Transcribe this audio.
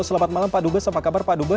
selamat malam pak dubes apa kabar pak dubes